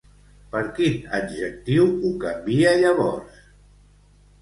Per quin adjectiu ho canvia, llavors?